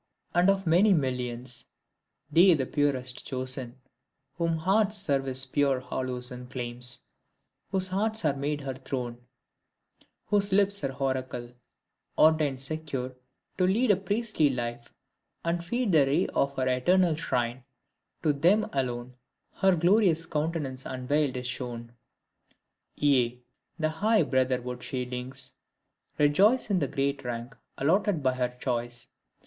and of many millions, they The purest chosen, whom Art's service pure Hallows and claims whose hearts are made her throne, Whose lips her oracle, ordained secure, To lead a priestly life, and feed the ray Of her eternal shrine, to them alone Her glorious countenance unveiled is shown: Ye, the high brotherhood she links, rejoice In the great rank allotted by her choice!